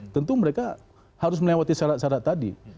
tentu mereka harus melewati syarat syarat tadi